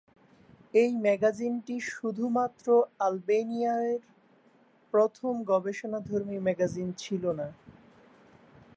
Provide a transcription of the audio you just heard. এই ম্যাগাজিনটি শুধুমাত্র আলবেনিয়ার প্রথম গবেষণাধর্মী ম্যাগাজিন ছিলো না।